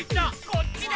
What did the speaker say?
こっちだ！